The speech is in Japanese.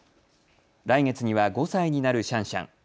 来月には５歳になるシャンシャン。